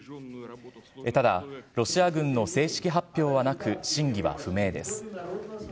ただロシア軍の正式発表はなく、真偽は不明です。